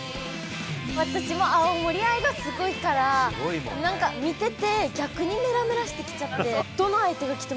私も青森愛がすごいから何か見てて逆にメラメラしてきちゃって。